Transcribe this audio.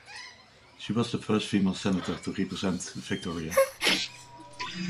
She was the first female Senator to represent Victoria.